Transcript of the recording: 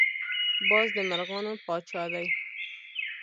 باز د مرغانو پاچا دی